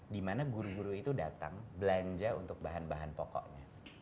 dimana guru guru itu datang belanja untuk bahan bahan pokoknya